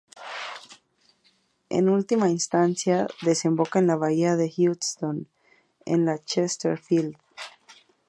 En última instancia, desemboca en la bahía de Hudson, en el Chesterfield Inlet.